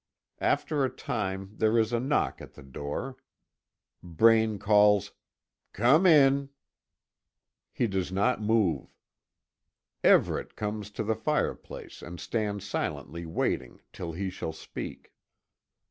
After a time there is a knock on the door. Braine calls: "Come in." He does not move. Everet comes to the · fireplace and stands silently waiting till he shall speak.